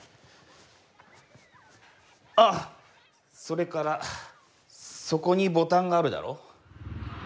あっそれからそこにボタンがあるだろ？